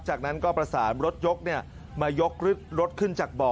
จากนั้นก็ประสานรถยกมายกรถขึ้นจากบ่อ